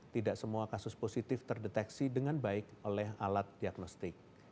tidak semua kasus positif terdeteksi dengan baik oleh alat diagnostik